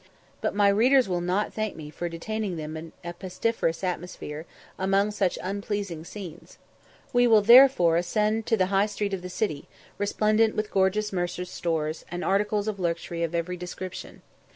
But my readers will, not thank me for detaining them in a pestiferous atmosphere, among such unpleasing scenes; we will therefore ascend into the High street of the city, resplendent with gorgeous mercers' stores, and articles of luxury of every description.